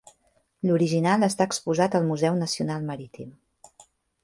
L'original està exposat al Museu Nacional Marítim.